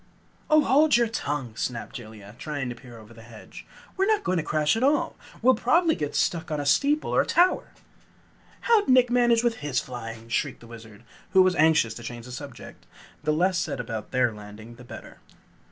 "Oh, hold your tongue!" snapped Jellia, trying to peer over the hedge. "We're not going to crash at all! We'll probably get stuck on a steeple or tower!" "How'd Nick manage with his flying?" shrieked the Wizard, who was anxious to change the subject. The less said about their landing the better.